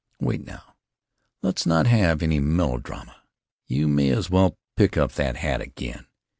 Wait now; let's not have any melodrama! You may as well pick up that hat again.